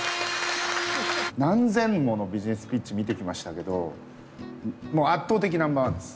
何千ものビジネスピッチ見てきましたけどもう圧倒的ナンバーワンです。